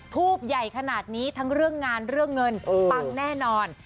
ทูบใหญ่ขนาดนี้ทั้งเรื่องงานเรื่องเงินปังแน่นอน